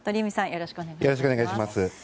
よろしくお願いします。